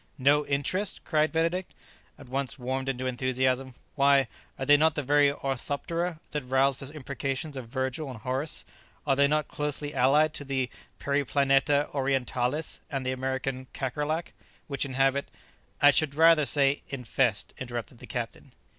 "No interest?" cried Benedict, at once warmed into enthusiasm; "why, are they not the very orthoptera that roused the imprecations of Virgil and Horace? Are they not closely allied to the Periplaneta orientalis and the American Kakerlac, which inhabit " "I should rather say infest," interrupted the captain.